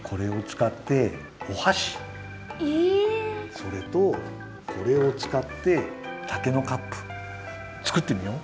それとこれをつかって竹のカップ作ってみよう！